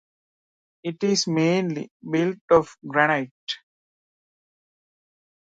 It is mainly built of granite.